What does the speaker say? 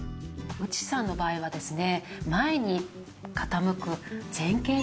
伊藤さんの場合はですね